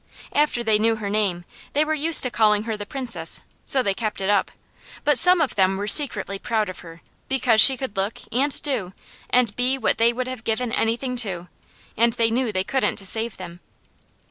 After they knew her name, they were used to calling her the Princess, so they kept it up, but some of them were secretly proud of her; because she could look, and do, and be what they would have given anything to, and knew they couldn't to save them.